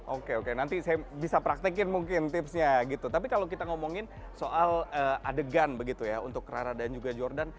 oke oke nanti saya bisa praktekin mungkin tipsnya gitu tapi kalau kita ngomongin soal adegan begitu ya untuk rara dan juga jordan